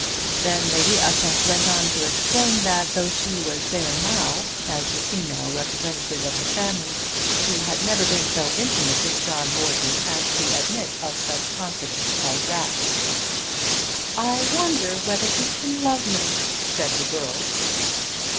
Then Lady Ushant went on to explain that though she was there now as the female representative of the family she had never been so intimate with John Morton as to admit of such confidence as that suggested. "I wonder whether he can love me," said the girl.